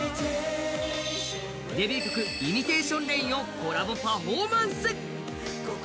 デビュー曲「ＩｍｉｔａｔｉｏｎＲａｉｎ」をコラボパフォーマンス。